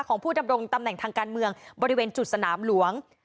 ของผู้ดำรงตำแหน่งทางการเมืองบริเวณจุดสนามหลวง